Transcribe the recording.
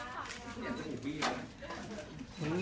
ขอสายตาซ้ายสุดด้วยครับ